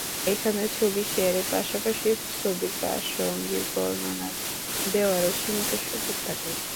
এখানে ছবি শেয়ারের পাশাপাশি ছবির প্রাসঙ্গিক বর্ণনার দেওয়ারও সীমিত সুযোগ থাকে।